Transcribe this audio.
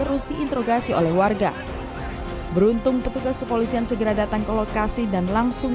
terus diinterogasi oleh warga beruntung petugas kepolisian segera datang ke lokasi dan langsung